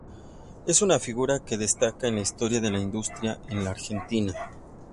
Es una figura que destaca en la historia de la industria en la Argentina.